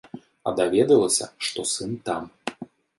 А даведалася, што сын там.